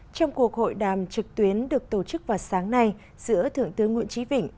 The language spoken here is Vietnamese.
trong cuộc hội đàm trực tuyến được tổ chức vào sáng nay giữa thượng tướng nguyễn trí vịnh